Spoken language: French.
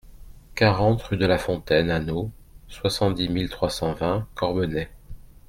quarante rue de la Fontaine Anneau, soixante-dix mille trois cent vingt Corbenay